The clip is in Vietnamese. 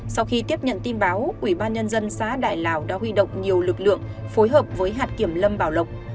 sau khi tiếp nhận tin báo ủy ban nhân dân xã đại lào đã huy động nhiều lực lượng phối hợp với hạt kiểm lâm bảo lộc